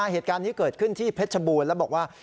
เหตุการณ์นี้เกิดขึ้นที่เพชรบูรณ์แล้วบอกว่า